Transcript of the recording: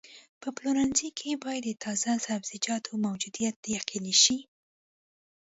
په پلورنځي کې باید د تازه سبزیجاتو موجودیت یقیني شي.